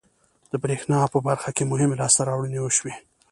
د بریښنا په برخه کې مهمې لاسته راوړنې وشوې.